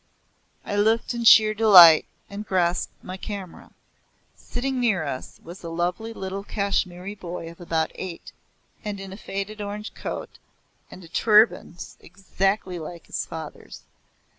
I looked in sheer delight, and grasped my camera. Sitting near us was a lovely little Kashmiri boy of about eight, in a faded orange coat, and a turban exactly like his father's.